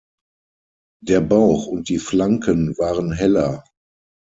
Der Bauch und die Flanken waren heller.